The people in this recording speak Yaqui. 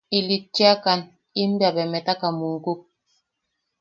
Ilitchiakan, im bea beemetaka mukuk.